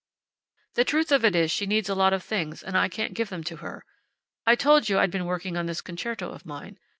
The truth of it is she needs a lot of things and I can't give them to her. I told you I'd been working on this concerto of mine.